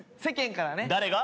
誰が？